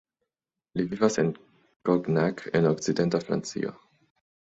Li vivas en Cognac en okcidenta Francio.